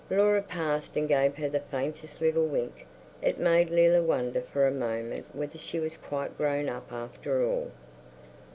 Laura passed and gave her the faintest little wink; it made Leila wonder for a moment whether she was quite grown up after all.